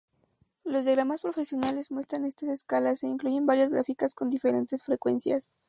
Los diagramas profesionales muestran estas escalas e incluyen varias gráficas con diferentes frecuencias.